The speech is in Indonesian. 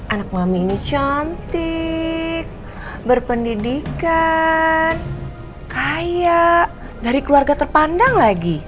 anak mami ini cantik berpendidikan kaya dari keluarga terpandang lagi